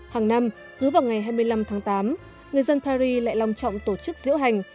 hàng năm cứ vào ngày hai mươi năm tháng tám người dân paris lại lòng trọng tổ chức diễu hành